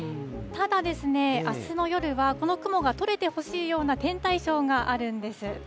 ただ、あすの夜は、この雲が取れてほしいような天体ショーがあるんです。